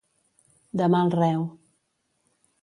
De mal reu.